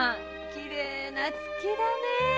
きれいな月だね。